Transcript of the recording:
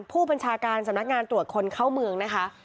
ผู้บัญชาการสำนักงานตรวจคนเข้าเมืองนะคะ